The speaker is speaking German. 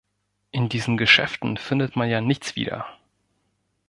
In diesen Geschäften findet man ja nichts wieder.